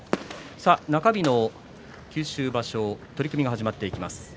中日の九州場所取組が始まっていきます。